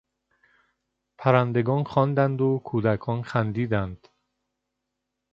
پرندگان خواندند و کودکان خندیدند.